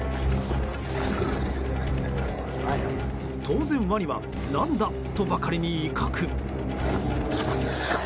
当然、ワニは何だ！とばかりに威嚇。